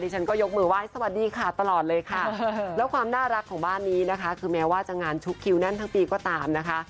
ฉันก็ยกมือไหว้สวัสดีค่ะตลอดเลยค่ะแล้วความน่ารักของบ้านนี้นะคะคือแม้ว่าจะงานชุกคิวแน่นทั้งปีก็ตามนะคะ